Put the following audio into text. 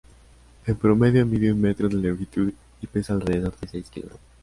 En promedio mide un metro de longitud y pesa alrededor de seis kg.